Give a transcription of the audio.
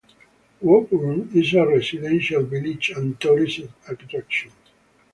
Woburn is a residential village and tourist attraction.